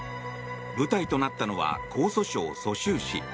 舞台となったのは江蘇省蘇州市。